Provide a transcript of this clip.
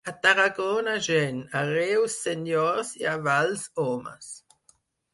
A Tarragona, gent; a Reus, senyors, i a Valls, homes.